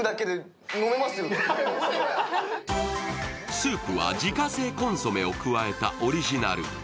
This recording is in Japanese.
スープは自家製コンソメを加えたオリジナル。